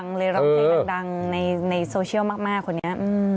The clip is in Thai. ไม่รับเพคดังในโสเชียลมากคนนี้